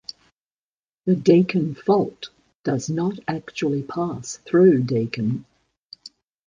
The Deakin Fault does not actually pass through Deakin.